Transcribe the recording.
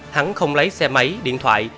hắn không lấy xe máy điện thoại